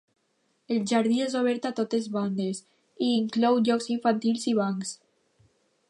El jardí és obert a totes bandes, i inclou jocs infantils i bancs.